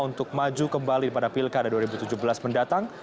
untuk maju kembali pada pilkada dua ribu tujuh belas mendatang